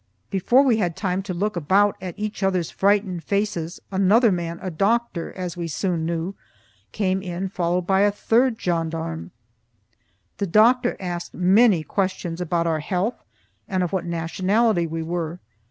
Before we had had time to look about at each other's frightened faces, another man, a doctor, as we soon knew, came in followed by a third gendarme. The doctor asked many questions about our health, and of what nationality we were.